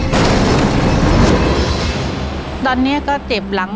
โดยลองได้ให้ล้าง